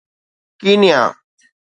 Kenya